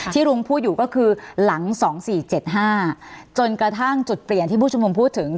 ลุงพูดอยู่ก็คือหลัง๒๔๗๕จนกระทั่งจุดเปลี่ยนที่ผู้ชุมนุมพูดถึง